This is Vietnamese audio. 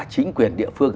chính quyền địa phương